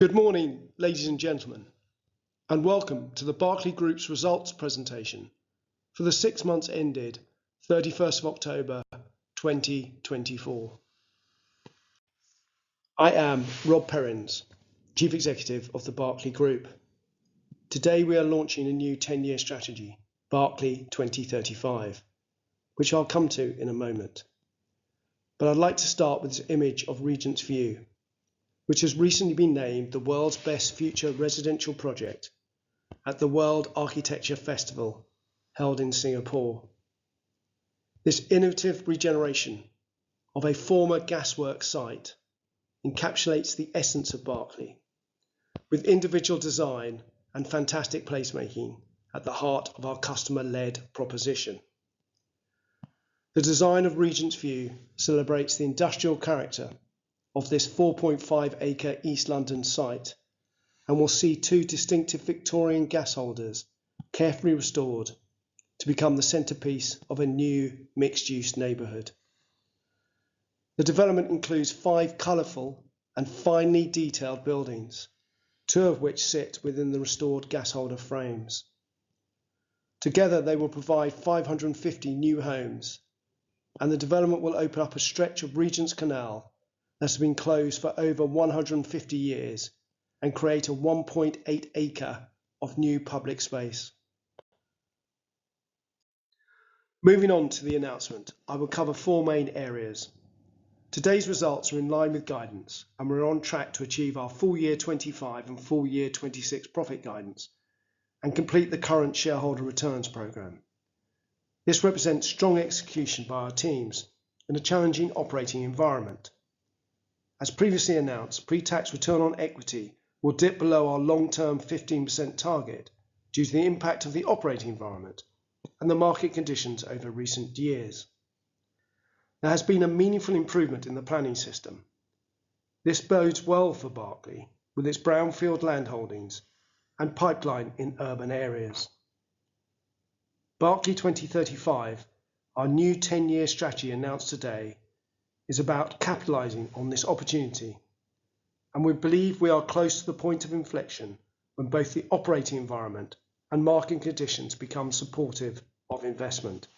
Good morning, ladies and gentlemen, and welcome to the Berkeley Group's results presentation for the six months ended 31 October 2024. I am Rob Perrins, Chief Executive of the Berkeley Group. Today we are launching a new 10-year strategy, Berkeley 2035, which I'll come to in a moment. But I'd like to start with this image of Regent's View, which has recently been named the world's best future residential project at the World Architecture Festival held in Singapore. This innovative regeneration of a former gasworks site encapsulates the essence of Berkeley, with individual design and fantastic placemaking at the heart of our customer-led proposition. The design of Regent's View celebrates the industrial character of this 4.5-acre East London site, and we'll see two distinctive Victorian gas holders carefully restored to become the centerpiece of a new mixed-use neighborhood. The development includes five colorful and finely detailed buildings, two of which sit within the restored gas holder frames. Together, they will provide 550 new homes, and the development will open up a stretch of Regent's Canal that has been closed for over 150 years and create 1.8 acres of new public space. Moving on to the announcement, I will cover four main areas. Today's results are in line with guidance, and we're on track to achieve our full year 2025 and full year 2026 profit guidance and complete the current shareholder returns program. This represents strong execution by our teams in a challenging operating environment. As previously announced, pre-tax return on equity will dip below our long-term 15% target due to the impact of the operating environment and the market conditions over recent years. There has been a meaningful improvement in the planning system. This bodes well for Berkeley with its brownfield land holdings and pipeline in urban areas. Berkeley 2035, our new 10-year strategy announced today, is about capitalizing on this opportunity, and we believe we are close to the point of inflection when both the operating environment and market conditions become supportive of investment.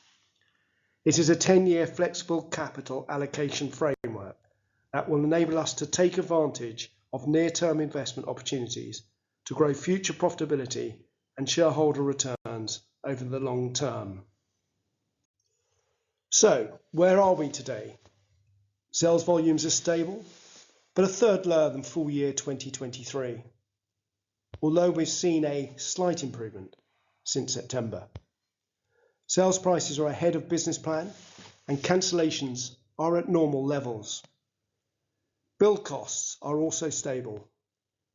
It is a 10-year flexible capital allocation framework that will enable us to take advantage of near-term investment opportunities to grow future profitability and shareholder returns over the long term. So, where are we today? Sales volumes are stable, but a third lower than full year 2023, although we've seen a slight improvement since September. Sales prices are ahead of business plan, and cancellations are at normal levels. Build costs are also stable.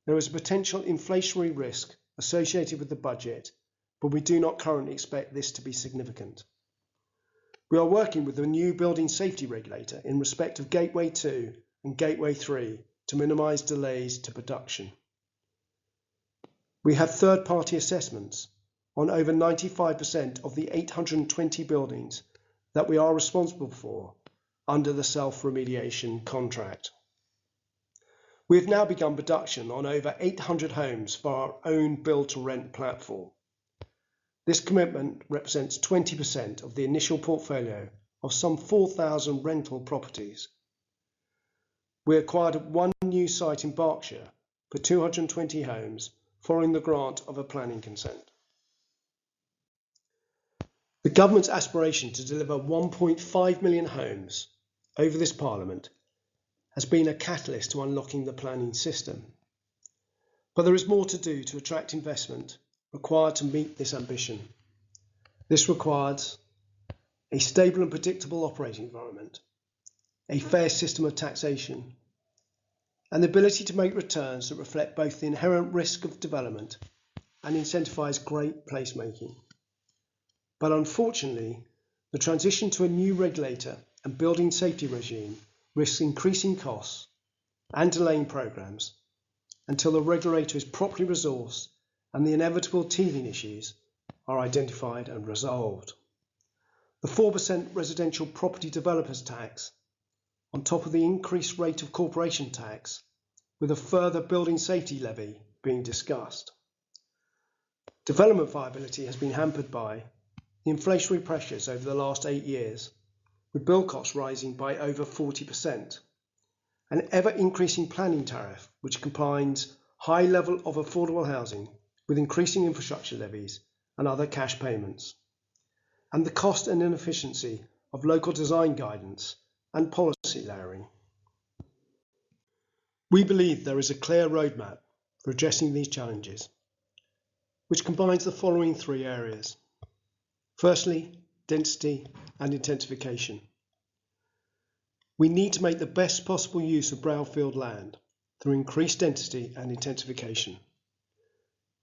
There is a potential inflationary risk associated with the budget, but we do not currently expect this to be significant. We are working with the new Building Safety Regulator in respect of Gateway 2 and Gateway 3 to minimize delays to production. We have third-party assessments on over 95% of the 820 buildings that we are responsible for under the self-remediation contract. We have now begun production on over 800 homes for our own build-to-rent platform. This commitment represents 20% of the initial portfolio of some 4,000 rental properties. We acquired one new site in Berkshire for 220 homes following the grant of a planning consent. The government's aspiration to deliver 1.5 million homes over this parliament has been a catalyst to unlocking the planning system. But there is more to do to attract investment required to meet this ambition. This requires a stable and predictable operating environment, a fair system of taxation, and the ability to make returns that reflect both the inherent risk of development and incentivize great placemaking. But unfortunately, the transition to a new regulator and building safety regime risks increasing costs and delaying programs until the regulator is properly resourced and the inevitable teething issues are identified and resolved. The 4% Residential Property Developer Tax on top of the increased rate of corporation tax, with a further Building Safety Levy being discussed. Development viability has been hampered by inflationary pressures over the last eight years, with build costs rising by over 40%, an ever-increasing planning tariff which combines high level of affordable housing with increasing infrastructure levies and other cash payments, and the cost and inefficiency of local design guidance and policy layering. We believe there is a clear roadmap for addressing these challenges, which combines the following three areas. Firstly, density and intensification. We need to make the best possible use of brownfield land through increased density and intensification.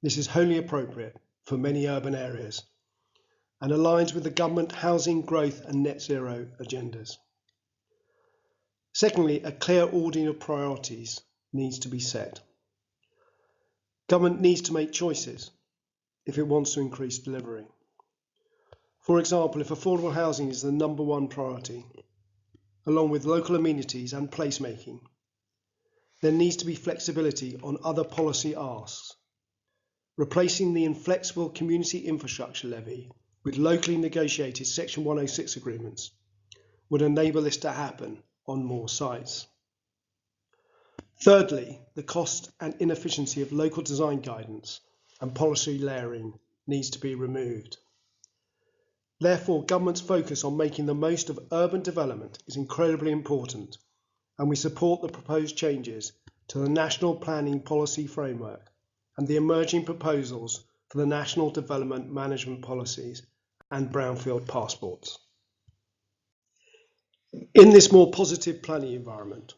This is wholly appropriate for many urban areas and aligns with the government housing growth and net zero agendas. Secondly, a clear order of priorities needs to be set. Government needs to make choices if it wants to increase delivery. For example, if affordable housing is the number one priority, along with local amenities and placemaking, there needs to be flexibility on other policy asks. Replacing the inflexible community infrastructure levy with locally negotiated Section 106 agreements would enable this to happen on more sites. Thirdly, the cost and inefficiency of local design guidance and policy layering needs to be removed. Therefore, the government's focus on making the most of urban development is incredibly important, and we support the proposed changes to the National Planning Policy Framework and the emerging proposals for the National Development Management Policies and brownfield passports. In this more positive planning environment,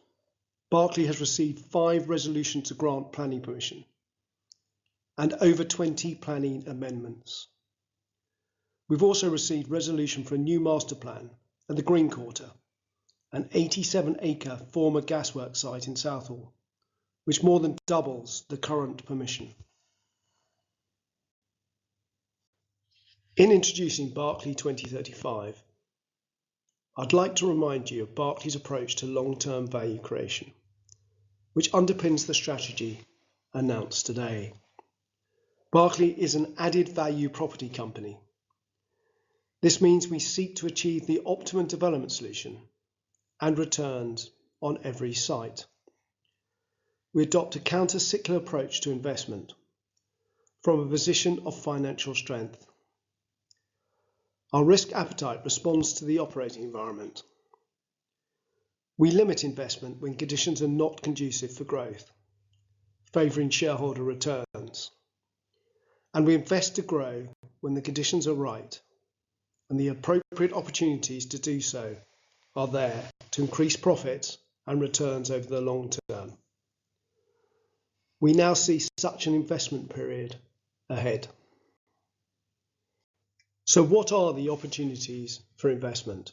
Berkeley has received five resolutions to grant planning permission and over 20 planning amendments. We've also received resolution for a new master plan for the Green Quarter, an 87-acre former gasworks site in Southall, which more than doubles the current permission. In introducing Berkeley 2035, I'd like to remind you of Berkeley's approach to long-term value creation, which underpins the strategy announced today. Berkeley is an added value property company. This means we seek to achieve the optimum development solution and returns on every site. We adopt a counter-cyclical approach to investment from a position of financial strength. Our risk appetite responds to the operating environment. We limit investment when conditions are not conducive for growth, favoring shareholder returns, and we invest to grow when the conditions are right and the appropriate opportunities to do so are there to increase profits and returns over the long term. We now see such an investment period ahead. So what are the opportunities for investment?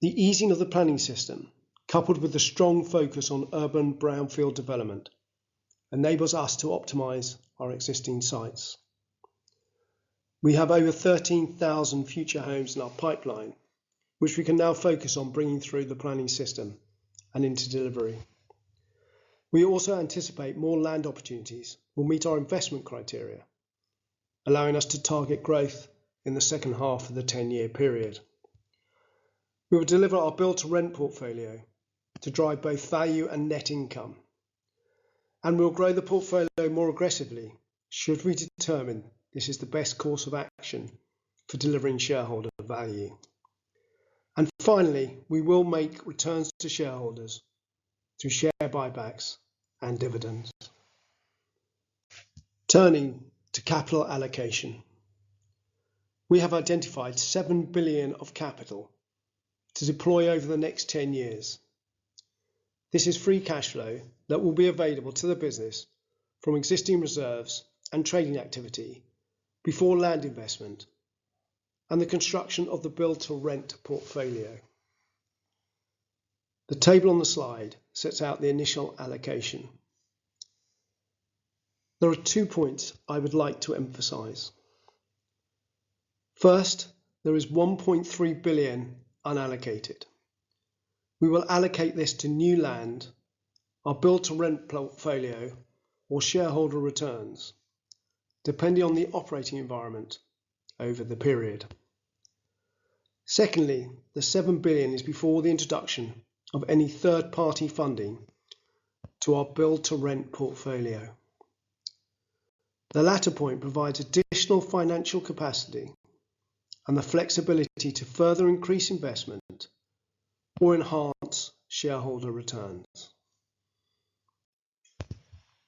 The easing of the planning system, coupled with the strong focus on urban brownfield development, enables us to optimize our existing sites. We have over 13,000 future homes in our pipeline, which we can now focus on bringing through the planning system and into delivery. We also anticipate more land opportunities will meet our investment criteria, allowing us to target growth in the second half of the 10-year period. We will deliver our build-to-rent portfolio to drive both value and net income, and we'll grow the portfolio more aggressively should we determine this is the best course of action for delivering shareholder value, and finally, we will make returns to shareholders through share buybacks and dividends. Turning to capital allocation, we have identified 7 billion of capital to deploy over the next 10 years. This is free cash flow that will be available to the business from existing reserves and trading activity before land investment and the construction of the build-to-rent portfolio. The table on the slide sets out the initial allocation. There are two points I would like to emphasize. First, there is 1.3 billion unallocated. We will allocate this to new land, our build-to-rent portfolio, or shareholder returns, depending on the operating environment over the period. Secondly, the 7 billion is before the introduction of any third-party funding to our build-to-rent portfolio. The latter point provides additional financial capacity and the flexibility to further increase investment or enhance shareholder returns.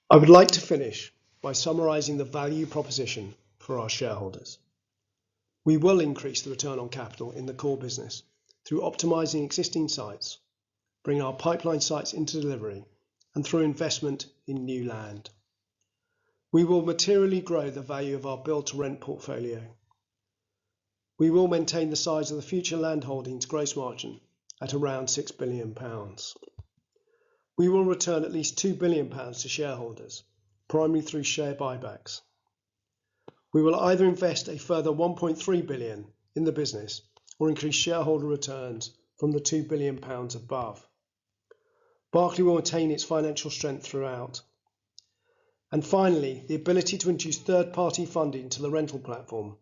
I would like to finish by summarizing the value proposition for our shareholders. We will increase the return on capital in the core business through optimizing existing sites, bringing our pipeline sites into delivery, and through investment in new land. We will materially grow the value of our build-to-rent portfolio. We will maintain the size of the future land holdings gross margin at around 6 billion pounds. We will return at least 2 billion pounds to shareholders, primarily through share buybacks. We will either invest a further 1.3 billion in the business or increase shareholder returns from the 2 billion pounds above. Berkeley will retain its financial strength throughout. And finally, the ability to introduce third-party funding to the rental platform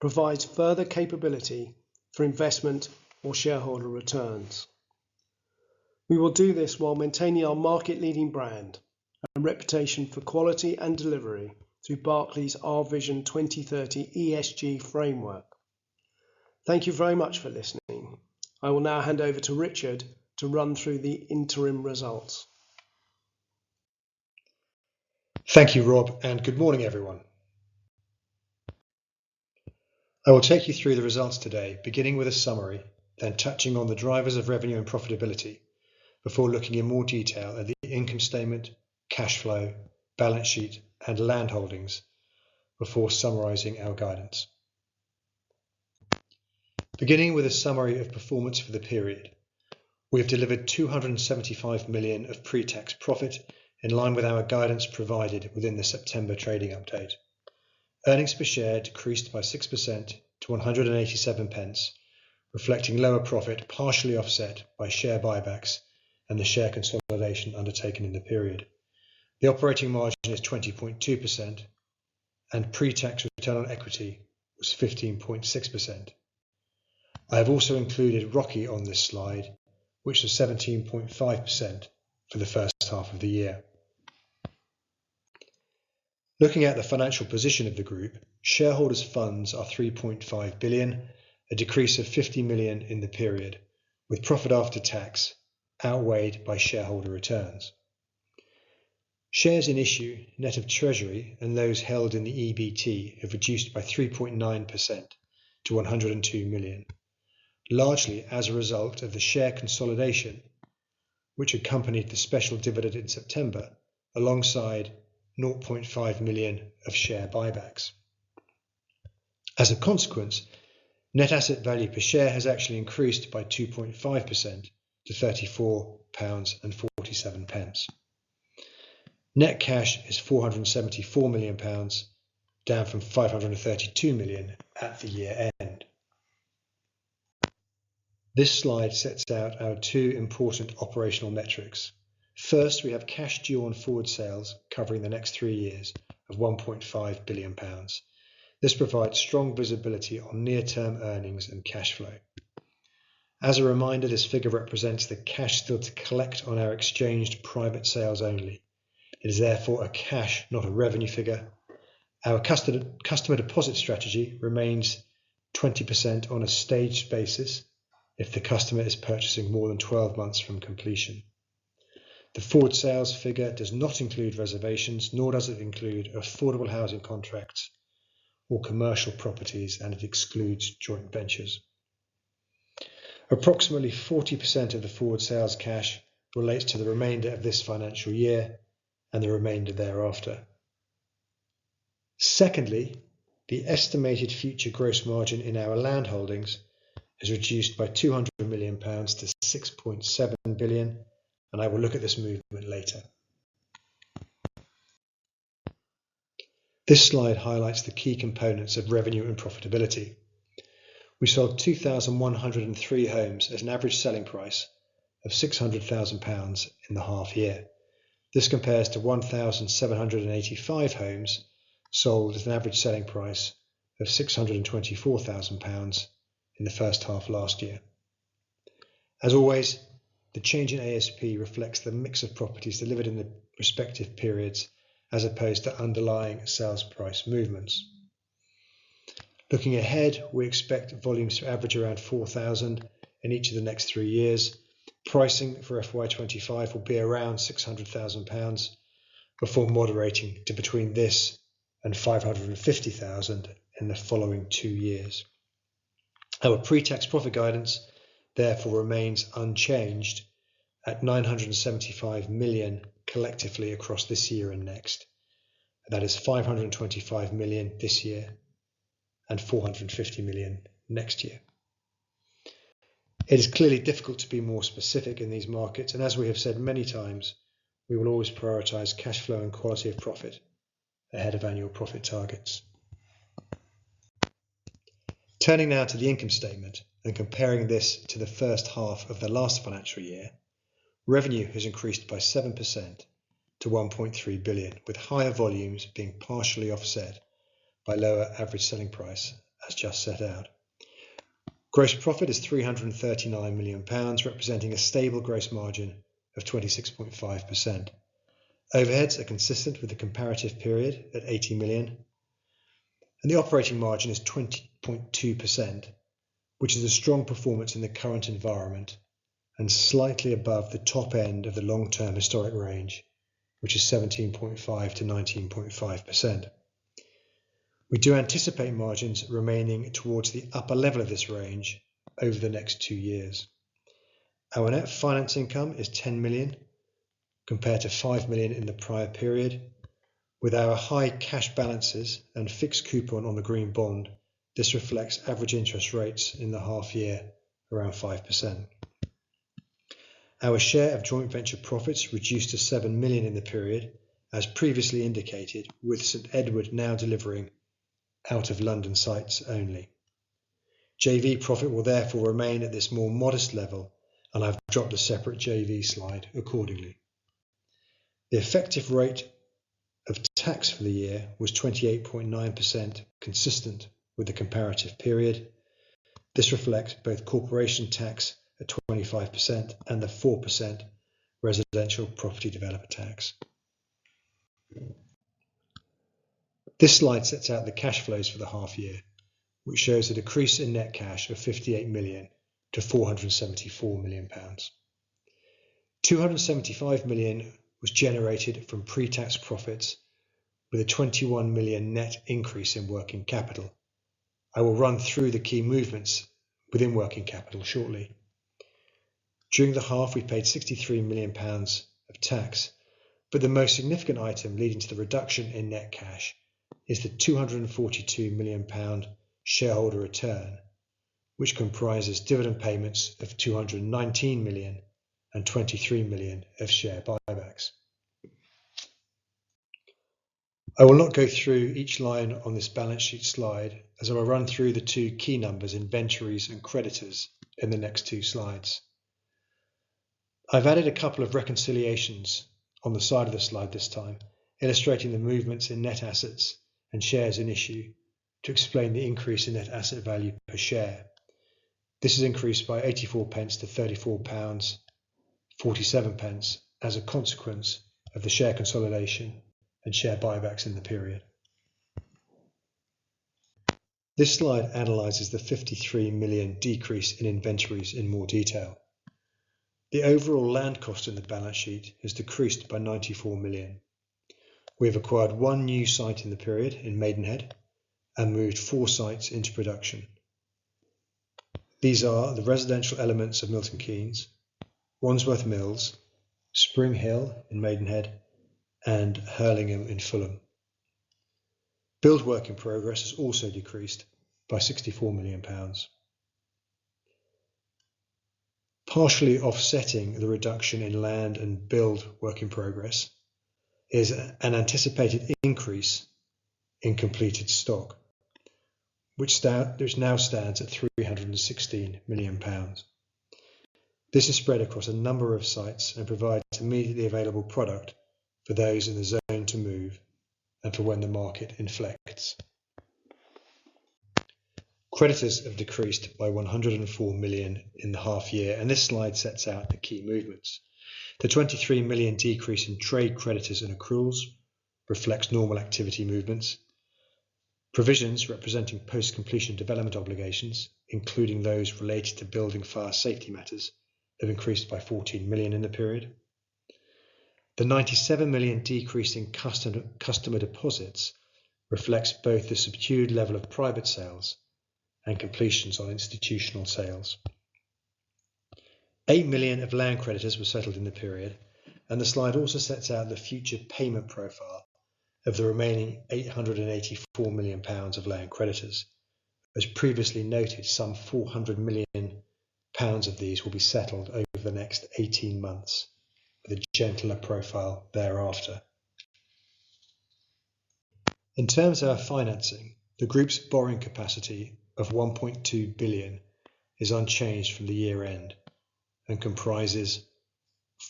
provides further capability for investment or shareholder returns. We will do this while maintaining our market-leading brand and reputation for quality and delivery through Berkeley's Our Vision 2030 ESG framework. Thank you very much for listening. I will now hand over to Richard to run through the interim results. Thank you, Rob, and good morning, everyone. I will take you through the results today, beginning with a summary, then touching on the drivers of revenue and profitability before looking in more detail at the income statement, cash flow, balance sheet, and land holdings before summarizing our guidance. Beginning with a summary of performance for the period, we have delivered 275 million of pre-tax profit in line with our guidance provided within the September trading update. Earnings per share decreased by 6% to 187 pence, reflecting lower profit partially offset by share buybacks and the share consolidation undertaken in the period. The operating margin is 20.2%, and pre-tax return on equity was 15.6%. I have also included ROCE on this slide, which is 17.5% for the first half of the year. Looking at the financial position of the group, shareholders' funds are 3.5 billion, a decrease of 50 million in the period, with profit after tax outweighed by shareholder returns. Shares in issue, net of treasury and those held in the EBT have reduced by 3.9% to 102 million, largely as a result of the share consolidation, which accompanied the special dividend in September alongside 0.5 million of share buybacks. As a consequence, net asset value per share has actually increased by 2.5% to 34.47 pounds. Net cash is 474 million pounds, down from 532 million at the year end. This slide sets out our two important operational metrics. First, we have cash due on forward sales covering the next three years of 1.5 billion pounds. This provides strong visibility on near-term earnings and cash flow. As a reminder, this figure represents the cash still to collect on our exchanged private sales only. It is therefore a cash, not a revenue figure. Our customer deposit strategy remains 20% on a staged basis if the customer is purchasing more than 12 months from completion. The forward sales figure does not include reservations, nor does it include affordable housing contracts or commercial properties, and it excludes joint ventures. Approximately 40% of the forward sales cash relates to the remainder of this financial year and the remainder thereafter. Secondly, the estimated future gross margin in our land holdings has reduced by 200 million pounds to 6.7 billion, and I will look at this movement later. This slide highlights the key components of revenue and profitability. We sold 2,103 homes at an average selling price of 600,000 pounds in the half year. This compares to 1,785 homes sold at an average selling price of 624,000 pounds in the first half last year. As always, the change in ASP reflects the mix of properties delivered in the respective periods as opposed to underlying sales price movements. Looking ahead, we expect volumes to average around 4,000 in each of the next three years. Pricing for FY2025 will be around 600,000 pounds before moderating to between this and 550,000 in the following two years. Our pre-tax profit guidance, therefore, remains unchanged at 975 million collectively across this year and next. That is 525 million this year and 450 million next year. It is clearly difficult to be more specific in these markets, and as we have said many times, we will always prioritize cash flow and quality of profit ahead of annual profit targets. Turning now to the income statement and comparing this to the first half of the last financial year, revenue has increased by 7% to 1.3 billion, with higher volumes being partially offset by lower average selling price, as just set out. Gross profit is 339 million pounds, representing a stable gross margin of 26.5%. Overheads are consistent with the comparative period at 80 million, and the operating margin is 20.2%, which is a strong performance in the current environment and slightly above the top end of the long-term historic range, which is 17.5%-19.5%. We do anticipate margins remaining towards the upper level of this range over the next two years. Our net finance income is 10 compared to 5 million in the prior period. With our high cash balances and fixed coupon on the green bond, this reflects average interest rates in the half year around 5%. Our share of joint venture profits reduced to 7 million in the period, as previously indicated, with St Edward now delivering out of London sites only. JV profit will therefore remain at this more modest level, and I've dropped a separate JV slide accordingly. The effective rate of tax for the year was 28.9%, consistent with the comparative period. This reflects both corporation tax at 25% and the 4% residential property developer tax. This slide sets out the cash flows for the half year, which shows a decrease in net cash of 58 to 474 million. 275 million was generated from pre-tax profits with a 21 million net increase in working capital. I will run through the key movements within working capital shortly. During the half, we paid 63 million pounds of tax, but the most significant item leading to the reduction in net cash is the 242 million pound shareholder return, which comprises dividend payments of 219 million and 23 million of share buybacks. I will not go through each line on this balance sheet slide, as I will run through the two key numbers in ventures and creditors in the next two slides. I've added a couple of reconciliations on the side of the slide this time, illustrating the movements in net assets and shares in issue to explain the increase in net asset value per share. This has increased by 0.84 to 34.47 as a consequence of the share consolidation and share buybacks in the period. This slide analyzes the 53 million decrease in inventories in more detail. The overall land cost in the balance sheet has decreased by 94 million. We have acquired one new site in the period in Maidenhead and moved four sites into production. These are the residential elements of Milton Keynes, Wandsworth Mills, Spring Hill in Maidenhead, and Hurlingham in Fulham. Build work in progress has also decreased by 64 million pounds. Partially offsetting the reduction in land and build work in progress is an anticipated increase in completed stock, which now stands at 316 million pounds. This is spread across a number of sites and provides immediately available product for those in the zone to move and for when the market inflects. Creditors have decreased by 104 million in the half year, and this slide sets out the key movements. The 23 million decrease in trade creditors and accruals reflects normal activity movements. Provisions representing post-completion development obligations, including those related to building fire safety matters, have increased by 14 million in the period. The 97 million decrease in customer deposits reflects both the subdued level of private sales and completions on institutional sales. 8 million of land creditors were settled in the period, and the slide also sets out the future payment profile of the remaining 884 million pounds of land creditors. As previously noted, some 400 million pounds of these will be settled over the next 18 months with a gentler profile thereafter. In terms of financing, the group's borrowing capacity of 1.2 billion is unchanged from the year-end and comprises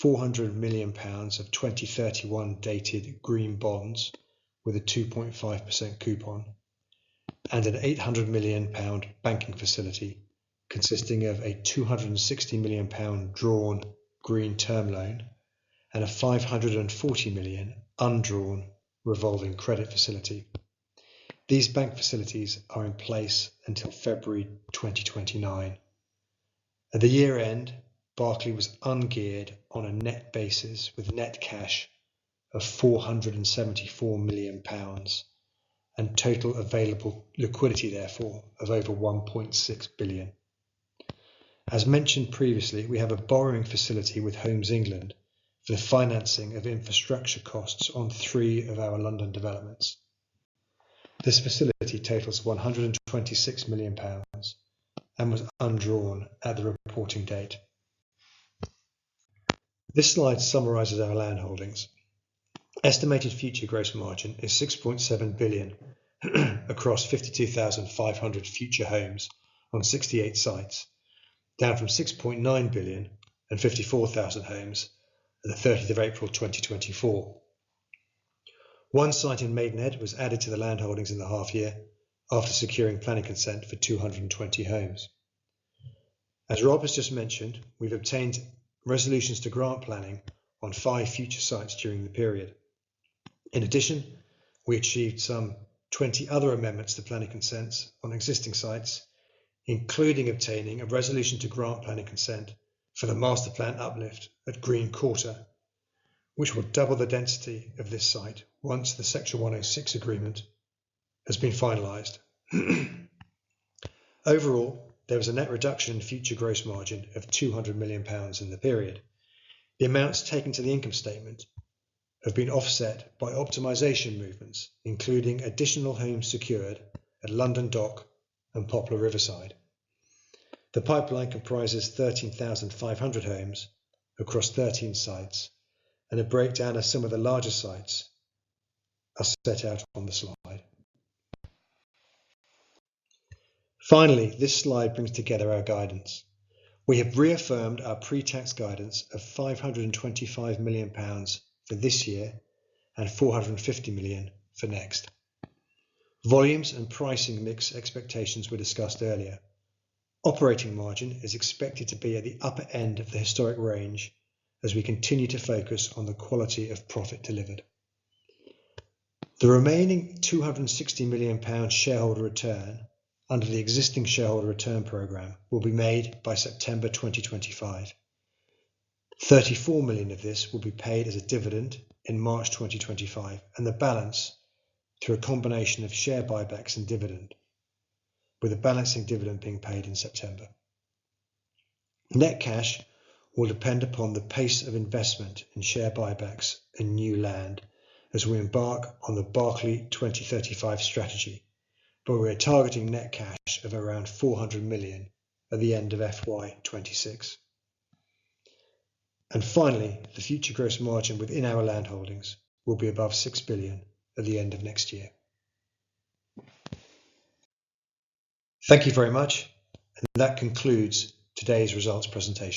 400 million pounds of 2031-dated green bonds with a 2.5% coupon and an 800 million pound banking facility consisting of a 260 million pound drawn green term loan and a 540 million undrawn revolving credit facility. These bank facilities are in place until February 2029. At the year end, Berkeley was ungeared on a net basis with net cash of 474 million pounds and total available liquidity, therefore, of over 1.6 billion. As mentioned previously, we have a borrowing facility with Homes England for the financing of infrastructure costs on three of our London developments. This facility totals 126 million pounds and was undrawn at the reporting date. This slide summarizes our land holdings. Estimated future gross margin is 6.7 billion across 52,500 future homes on 68 sites, down from 6.9 billion and 54,000 homes at the 30 April 2024. One site in Maidenhead was added to the land holdings in the half year after securing planning consent for 220 homes. As Rob has just mentioned, we've obtained resolutions to grant planning on five future sites during the period. In addition, we achieved some 20 other amendments to planning consents on existing sites, including obtaining a resolution to grant planning consent for the master plan uplift at Green Quarter, which will double the density of this site once the Section 106 agreement has been finalized. Overall, there was a net reduction in future gross margin of 200 million pounds in the period. The amounts taken to the income statement have been offset by optimization movements, including additional homes secured at London Dock and Poplar Riverside. The pipeline comprises 13,500 homes across 13 sites, and a breakdown of some of the larger sites is set out on the slide. Finally, this slide brings together our guidance. We have reaffirmed our pre-tax guidance of 525 for this year and 450 million for next. Volumes and pricing mix expectations were discussed earlier. Operating margin is expected to be at the upper end of the historic range as we continue to focus on the quality of profit delivered. The remaining 260 million pound shareholder return under the existing shareholder return program will be made by September 2025. 34 million of this will be paid as a dividend in March 2025, and the balance through a combination of share buybacks and dividend, with a balancing dividend being paid in September. Net cash will depend upon the pace of investment in share buybacks and new land as we embark on the Berkeley 2035 strategy, but we are targeting net cash of around 400 million at the end of FY2026. And finally, the future gross margin within our land holdings will be above 6 billion at the end of next year. Thank you very much, and that concludes today's results presentation.